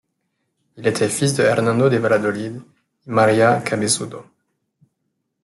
Il était fils de Hernando de Valladolid y María Cabezudo.